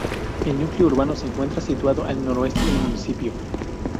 El núcleo urbano se encuentra situado al noroeste del municipio.